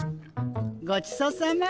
ごちそうさま。